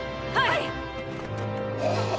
はい！